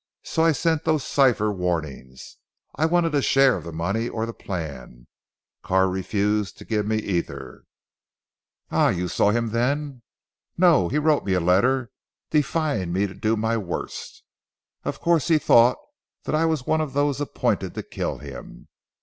So I sent those cipher warnings. I wanted a share of the money' or the plan. Carr refused to give me either." "Ah! you saw him then?" "No! he wrote me a letter defying me to do my worst. Of course he thought that I was one of those appointed to kill him.